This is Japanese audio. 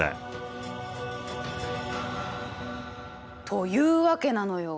というわけなのよ。